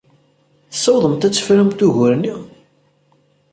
Tessawḍemt ad tefrumt ugur-nni?